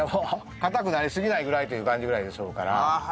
硬くなりすぎないぐらいという感じぐらいでしょうから。